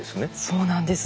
そうなんです。